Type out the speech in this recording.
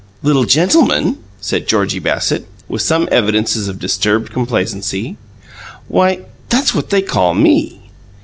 "'Little gentleman'?" said Georgie Bassett, with some evidences of disturbed complacency. "Why, that's what they call ME!"